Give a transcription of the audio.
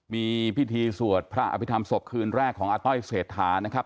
มีพิธีสวดพระอภิษฐรรมศพคืนแรกของอาต้อยเศรษฐานะครับ